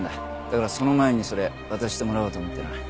だからその前にそれ渡してもらおうと思ってな。